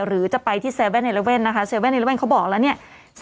หรือจะไปที่๗๑๑นะคะ๗๑๑เขาบอกแล้วเนี่ย